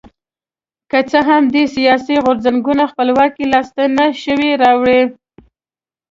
که څه هم دې سیاسي غورځنګونو خپلواکي لاسته نه شوه راوړی.